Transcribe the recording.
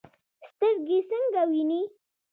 سترګې څنګه ویني؟